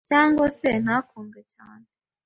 cyangwa se ntakundwe cyane